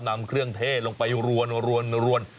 นำเครื่องเทศลงไปรวนรวนรวนรวน